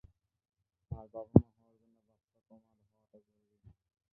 আর বাবা-মা হওয়ার জন্যে বাচ্চা তোমার হওয়াটাও জরুরি নয়।